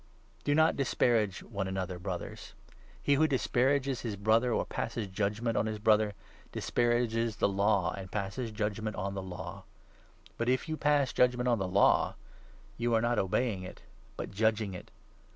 10 Do not disparage one another, Brothers. He who dis n parages his Brother, or passes judgement on his Brother, dis parages the Law and passes judgement on the Law. But, if you pass judgement on the Law, you are not obeying it, but judging it.